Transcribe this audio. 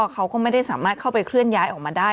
เขาก็ไม่ได้สามารถเข้าไปเคลื่อนย้ายออกมาได้